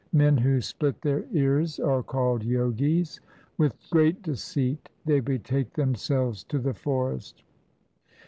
Men who split their ears are called Jogis ; With great deceit they betake themselves to the forest.